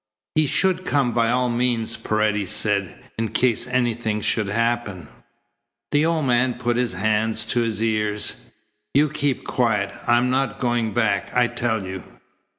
"He should come by all means," Paredes said, "in case anything should happen " The old man put his hands to his ears. "You keep quiet. I'm not going back, I tell you."